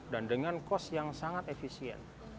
dan dengan cost yang sangat efisien